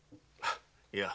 いや。